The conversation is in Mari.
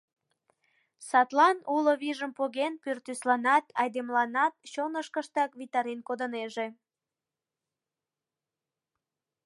Садлан, уло вийжым поген, пӱртӱсланат, айдемыланат чонышкыштак витарен кодынеже.